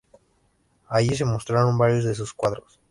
Allí se mostraron varios de sus cuadros.